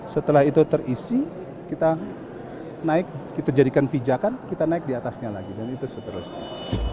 setelah itu terisi kita naik kita jadikan pijakan kita naik di atasnya lagi dan itu seterusnya